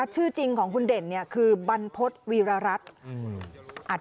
ชื่อจริงของคุณเด่นคือบันพฤษวีรรัช